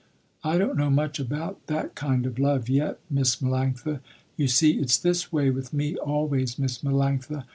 "I don't know much about that kind of love yet Miss Melanctha. You see it's this way with me always Miss Melanctha.